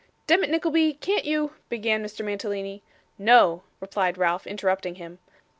'Demmit, Nickleby, can't you ' began Mr. Mantalini. 'No,' replied Ralph, interrupting him.